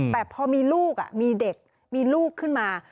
แต่พอมีลูกมีเด็กมีลูกขึ้นมา